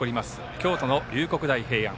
京都の龍谷大平安。